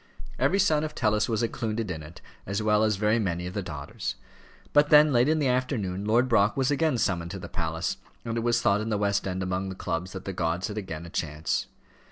Every son of Tellus was included in it, as were also very many of the daughters. But then, late in the afternoon, Lord Brock was again summoned to the palace, and it was thought in the West End among the clubs that the gods had again a chance.